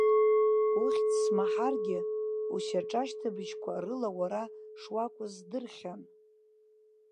Ухьӡ смаҳаргьы, ушьаҿашьҭыбжьқәа рыла уара шуакәыз здырхьан.